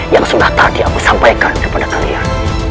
yang sudah tadi aku sampaikan kepada kalian